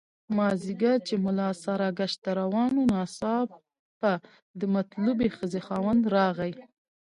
مازیګر چې ملا ساراګشت ته روان وو ناڅاپه د مطلوبې ښځې خاوند راغی.